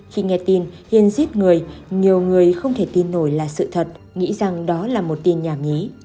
khi nghe tin hiền giết người nhiều người không thể tin nổi là sự thật nghĩ rằng đó là một tin nhà mí